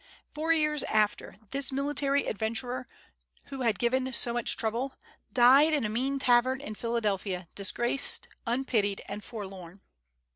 Four years after, this military adventurer, who had given so much trouble, died in a mean tavern in Philadelphia, disgraced, unpitied, and forlorn.